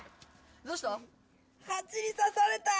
どうした？